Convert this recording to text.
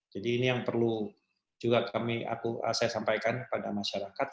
jadi ini yang perlu juga saya sampaikan kepada masyarakat